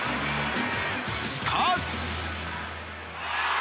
しかし。